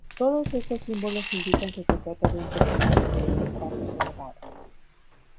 Todos estos símbolos indican que se trata de un personaje de estatus elevado.